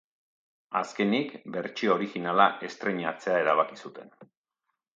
Azkenik, bertsio originala estreinatzea erabaki zuten.